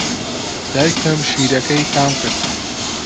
دایکم شیرەکەی تام کرد.